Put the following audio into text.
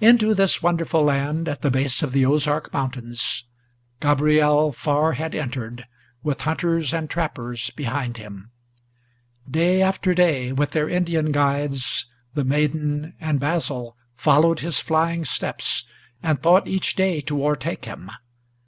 Into this wonderful land, at the base of the Ozark Mountains, Gabriel far had entered, with hunters and trappers behind him. Day after day, with their Indian guides, the maiden and Basil Followed his flying steps, and thought each day to o'ertake him.